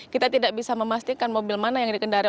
kita tidak bisa memastikan mobil mana yang dikendari